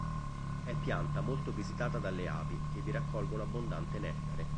È pianta molto visitata dalle api, che vi raccolgono abbondante nettare.